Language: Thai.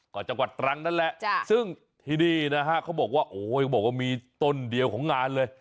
ก็จังหวัดตรังนั่นแหละซึ่งที่นี่เขาบอกว่ามีต้นเดียวของงานเลย